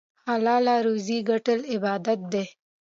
حلاله روزي ګټل عبادت دی.